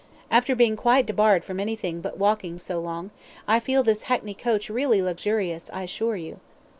After being quite debarred from anything but walking so long, I feel this hackney coach really luxurious, I assure you."